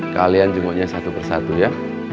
kalian jenguknya satu persatu ya